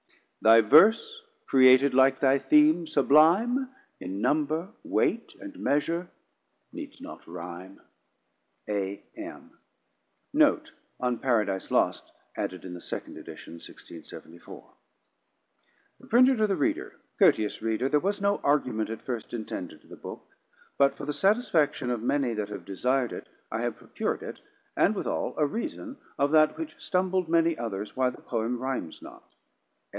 Thy Verse created like thy Theme sublime, In Number, Weight, and Measure, needs not Rhime. A.M. Note: On Paradise Lost] Added in the second edition 1674. The Printer to the Reader. Courteous Reader, there was no Argument at first intended to the Book, but for the satisfaction of many that have desired it, I have procur'd it, and withall a reason of that which stumbled many others, why the Poem Rimes not.